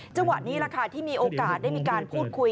จังหวะนี้แหละค่ะที่มีโอกาสได้มีการพูดคุย